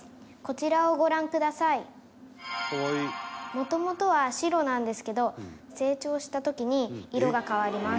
もともとは白なんですけど成長した時に色が変わります。